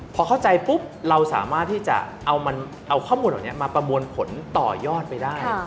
พอเข้าใจปุ๊บเราสามารถที่จะเอาข้อมูลเหล่านี้มาประมวลผลต่อยอดไปได้